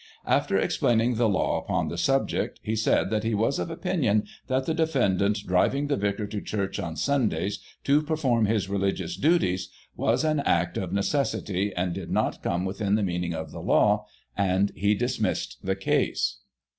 After explaining the law upon the subject, he said that he was of opinion that the defendant driving the vicar to church on Sundays, to perform his religious duties, was an act of necessity, and did not come within the meaning of the law, and he dismissed the case.